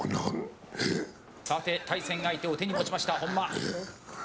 対戦相手を手に取りました本間。